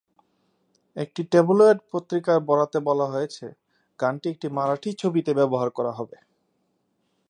একটি ট্যাবলয়েড পত্রিকার বরাতে বলা হয়েছে, গানটি একটি মারাঠি ছবিতে ব্যবহার করা হবে।